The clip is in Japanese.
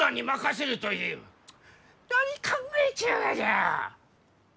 何考えちゅうがじゃ！